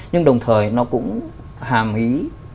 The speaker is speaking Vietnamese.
nhưng đồng thời nó cũng hàm ý